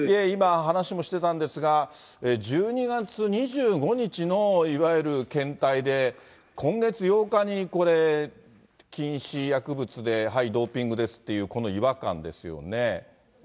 今、話もしてたんですが、１２月２５日のいわゆる検体で、今月８日に、これ、禁止薬物で、はい、ドーピングですっていう、この違和感ですよね。